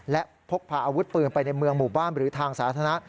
และพกพาอาวุธปืนไปในเมืองหมู่บ้านหรือทางสาธารณะ